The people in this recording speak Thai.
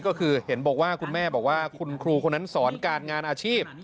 ก็คือเห็นบอกว่าคุณแม่บอกว่าคุณครูคนนั้นสอนการงานอาชีพ